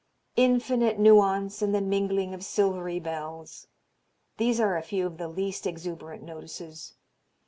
infinite nuance and the mingling of silvery bells, these are a few of the least exuberant notices.